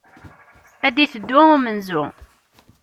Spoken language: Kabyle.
Ad d-iteddu umenzu.